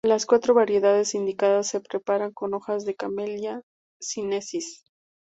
Las cuatro variedades indicadas se preparan con hojas de "Camellia sinensis.